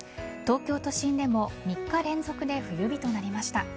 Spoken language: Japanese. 東京都心でも３日連続で冬日となりました。